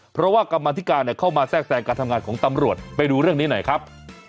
เพราะว่ากรรมธิการเข้ามาแทรกแทรงการทำงานของตำรวจไปดูเรื่องนี้หน่อยครับ